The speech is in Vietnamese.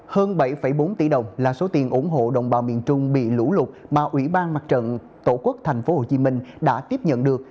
hơn bảy bốn tỷ đồng là số tiền ủng hộ đồng bào miền trung bị lũ lụt mà ủy ban mặt trận tổ quốc tp hcm đã tiếp nhận được